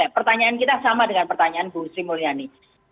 pertanyaan kita sama dengan pertanyaan bu sri mulyani